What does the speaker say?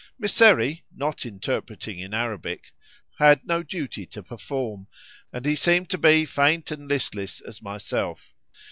Mysseri (not interpreting in Arabic) had no duty to perform, and he seemed to be faint and listless as myself.